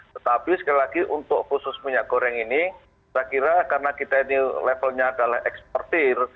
tetapi sekali lagi untuk khusus minyak goreng ini saya kira karena kita ini levelnya adalah eksportir